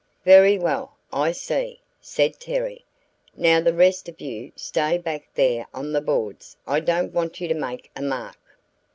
"Very well, I see," said Terry. "Now the rest of you stay back there on the boards; I don't want you to make a mark."